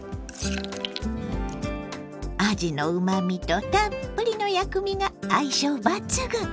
あじのうまみとたっぷりの薬味が相性抜群！